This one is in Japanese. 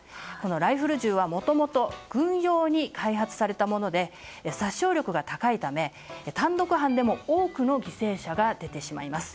ライフル銃はもともと軍用に開発されたもので殺傷力が高いため、単独犯でも多くの犠牲者が出てしまいます。